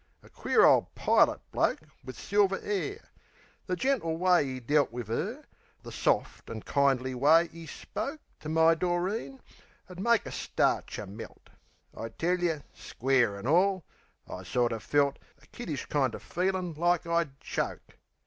A queer ole pilot bloke, Wiv silver 'air. The gentle way 'e dealt Wiv 'er, the soft an' kindly way 'e spoke To my Doreen, 'ud make a statcher melt. I tell yer, square an' all, I sorter felt A kiddish kind o' feelin' like I'd choke...